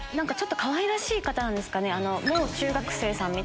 かわいらしい方なんですかね。